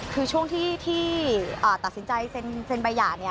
คือช่วงที่ตัดสินใจเซ็นบัญญาเนี่ย